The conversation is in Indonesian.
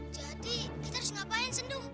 jadi kita harus ngapain sendu